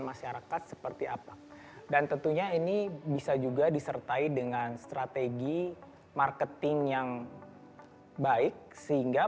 masyarakat seperti apa dan tentunya ini bisa juga disertai dengan strategi marketing yang baik sehingga